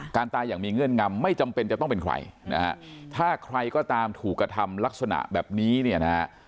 ตายอย่างมีเงื่อนงำไม่จำเป็นจะต้องเป็นใครนะฮะถ้าใครก็ตามถูกกระทำลักษณะแบบนี้เนี่ยนะฮะ